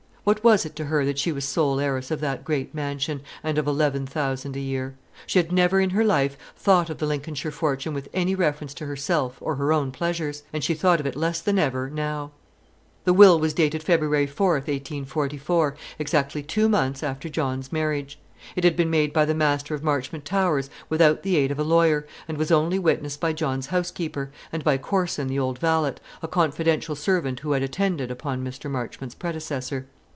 What was it to her that she was sole heiress of that great mansion, and of eleven thousand a year? She had never in her life thought of the Lincolnshire fortune with any reference to herself or her own pleasures; and she thought of it less than ever now. The will was dated February 4th, 1844, exactly two months after John's marriage. It had been made by the master of Marchmont Towers without the aid of a lawyer, and was only witnessed by John's housekeeper, and by Corson the old valet, a confidential servant who had attended upon Mr. Marchmont's predecessor.